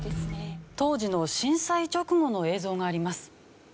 当時の震災直後の映像があります。